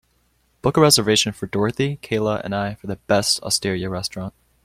Book a reservation for dorothy, kayla and I for the best osteria restaurant